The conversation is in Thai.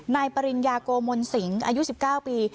นายปริญญโกมนศิงอายุ๑๙ปี